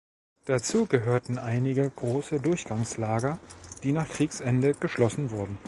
Dazu gehörten einige große Durchgangslager, die nach Kriegsende geschlossen wurden.